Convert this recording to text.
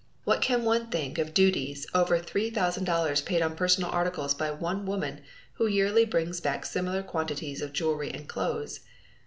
What can one think of duties of over $30,000 paid on personal articles by one woman who yearly brings back similar quantities of jewelry and clothes.